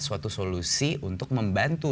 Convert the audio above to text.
suatu solusi untuk membantu